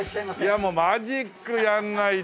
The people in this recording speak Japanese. いやもうマジックやんないと。